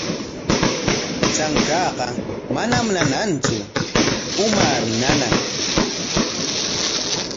Trankaaqa manam nanantsu, umaami nana.